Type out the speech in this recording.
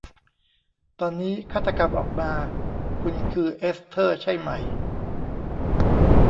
ตอนนี้ฆาตกรรมออกมา คุณคือเอสเธอร์ใช่ไหม